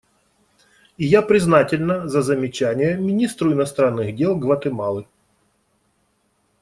И я признательна за замечания министру иностранных дел Гватемалы.